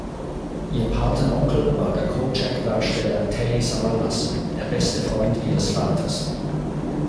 Ihr Patenonkel war der "Kojak"-Darsteller Telly Savalas, der beste Freund ihres Vaters.